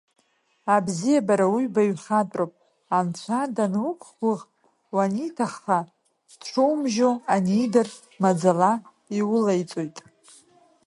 Абзиабара уи баҩхатәроуп, Анцәа дануқәгәыӷ, уаниҭахха, дшумжьо анидыр, маӡала иулаиҵоит.